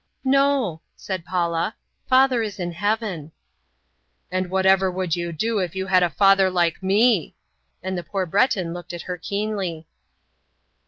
"No," said Paula; "father is in heaven." "And whatever would you do if you had a father like me?" and the poor Breton looked at her keenly.